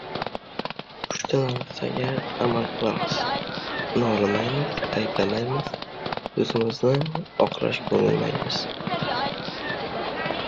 Uchta narsaga amal qilamiz: nolimaymiz, ayblamaymiz, oʻzimizni oqlashga urinmaymiz.